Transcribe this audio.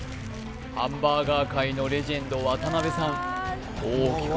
ハンバーガー界のレジェンド渡邉さん大きく